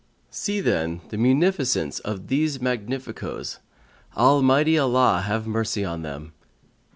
'" See, then, the munificence of these magnificos: Almighty Allah have mercy on them!